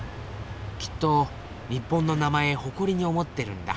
きっと日本の名前誇りに思ってるんだ。